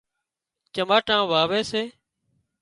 چماٽان واوي سي